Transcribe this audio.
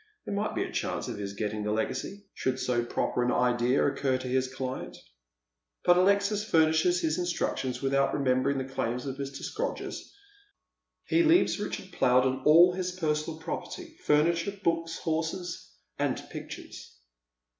There might be a chance of his getting the legacy, should so proper an idea occur to hia client. But Alexis furnishes his instructions without remember ing the claims of Mr. Scrodgers. He leaves Richard Plowden all bis personal property, furniture, books, horses, and pictures.